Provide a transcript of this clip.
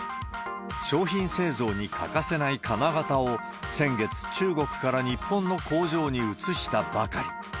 商品製造に欠かせない金型を、先月、中国から日本の工場に移したばかり。